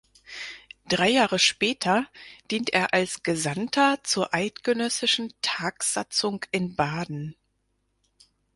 Drei Jahre später dient er als Gesandter zur eidgenössischen Tagsatzung in Baden.